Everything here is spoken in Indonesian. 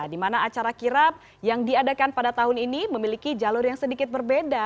di mana acara kirap yang diadakan pada tahun ini memiliki jalur yang sedikit berbeda